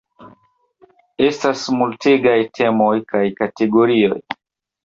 Estas multegaj temoj kaj kategorioj.